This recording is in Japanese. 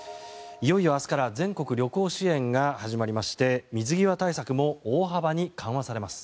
いよいよ明日から全国旅行支援が始まりまして水際対策も大幅に緩和されます。